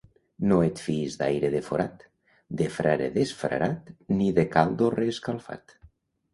No et fiïs d'aire de forat, de frare desfrarat ni de caldo reescalfat.